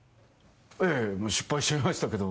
ええ失敗しちゃいましたけど。